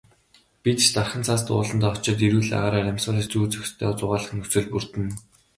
Бид ч дархан цаазат ууландаа очоод эрүүл агаараар амьсгалж, зүй зохистой зугаалах нөхцөл бүрдэнэ.